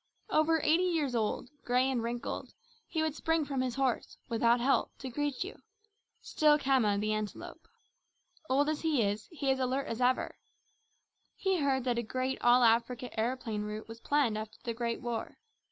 Over eighty years old, grey and wrinkled, he would spring from his horse, without help, to greet you still Khama, the Antelope. Old as he is, he is as alert as ever. He heard that a great all Africa aeroplane route was planned after the Great War.